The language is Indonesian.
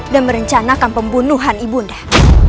dan merencanakan pembunuhan ibu undang